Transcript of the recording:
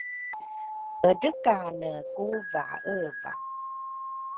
edrekane ku vaeva